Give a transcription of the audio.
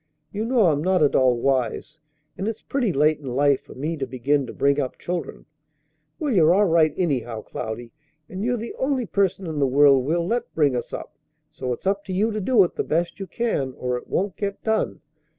You know I'm not at all wise, and it's pretty late in life for me to begin to bring up children." "Well, you're all right, anyhow, Cloudy; and you're the only person in the world we'll let bring us up; so it's up to you to do it the best you can, or it won't get done.